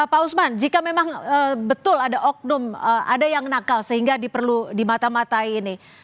pak usman jika memang betul ada oknum ada yang nakal sehingga diperlu dimata matai ini